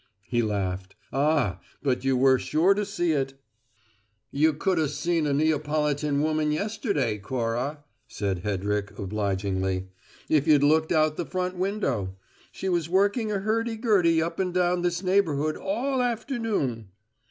He laughed. "Ah, but you were sure to see it!" "You could 'a' seen a Neapolitan woman yesterday, Cora," said Hedrick, obligingly, "if you'd looked out the front window. She was working a hurdy gurdy up and down this neighbourhood all afternoon."